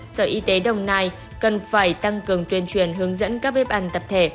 sở y tế đồng nai cần phải tăng cường tuyên truyền hướng dẫn các bếp ăn tập thể